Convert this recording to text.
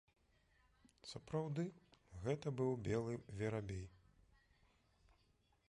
Сапраўды, гэта быў белы верабей!